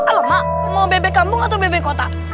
alamak mau bebek kampung atau bebek kota